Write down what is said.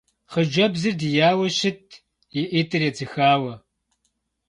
Хъыджэбзыр дияуэ щытт и ӏитӏыр едзыхауэ.